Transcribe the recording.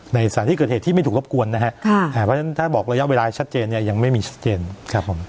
ในสถานที่เกิดเหตุที่ไม่ถูกรบกวนนะฮะเพราะฉะนั้นถ้าบอกระยะเวลาชัดเจนเนี่ยยังไม่มีชัดเจนครับผม